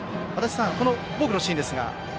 このボークのシーンですが。